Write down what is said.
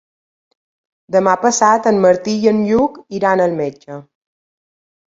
Demà passat en Martí i en Lluc iran al metge.